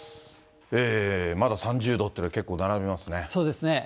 まだ３０度っていうのがまだ並びそうですね。